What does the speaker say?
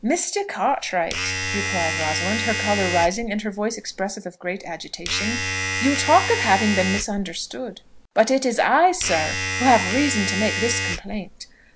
"Mr. Cartwright," replied Rosalind, her colour rising, and her voice expressive of great agitation, "you talk of having been misunderstood; but it is I, sir, who have reason to make this complaint.